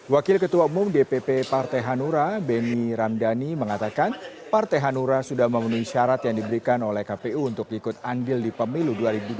wakil ketua umum dpp partai hanura beni ramdhani mengatakan partai hanura sudah memenuhi syarat yang diberikan oleh kpu untuk ikut andil di pemilu dua ribu dua puluh